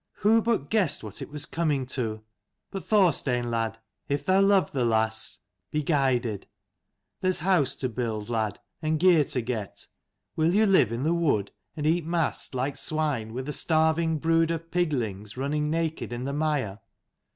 Who but guessed what it was 176 coming to? But Thorstein lad, if thou love thy lass, be guided. There's house to build, lad, and gear to get. Will you live in the wood, and eat mast like swine, with a starving brood of piglings running naked in the mire